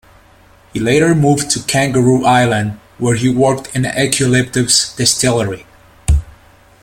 He later moved to Kangaroo Island where he worked in a Eucalyptus distillery.